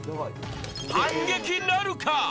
反撃なるか！？］